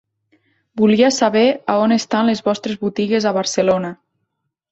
Volia saber a on estan les vostres botigues a Barcelona.